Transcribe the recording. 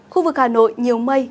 khu vực hà nội nhiều mây